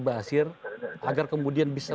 basir agar kemudian bisa